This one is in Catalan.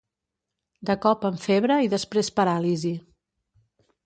De cop amb febre i després paràlisi.